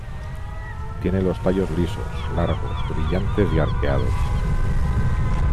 Tiene los tallos lisos, largos, brillantes y arqueados.